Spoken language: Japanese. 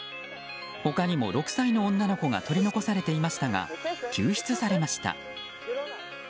他にも６歳の女の子が取り残されていましたが救出されました。